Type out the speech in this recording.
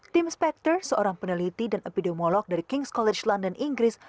tim spector seorang peneliti dan epidemiolog dari kings college london inggris